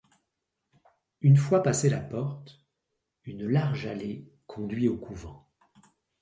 Une fois passée la porte, une large allée conduit au couvent.